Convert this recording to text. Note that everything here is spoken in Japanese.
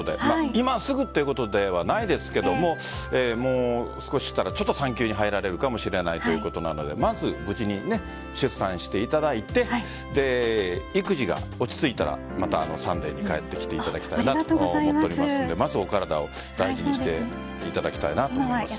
今すぐということではないですけどももう少ししたら産休に入られるかもしれないということなのでまず無事に出産していただいて育児が落ち着いたらまた「サンデー」に帰っていただきたいなと思いますのでまずお体を大事にしていただきたいなと思います。